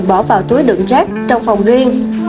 bỏ vào túi đựng rác trong phòng riêng